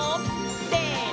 せの！